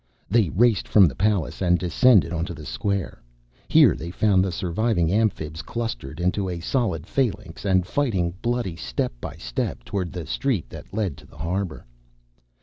They raced from the palace and descended onto the square. Here they found the surviving Amphibs clustered into a solid phalanx and fighting, bloody step by step, towards the street that led to the harbor.